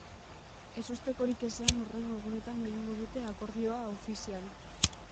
Ezustekorik ezean, hurrengo egunetan egingo dute akordioa ofizial.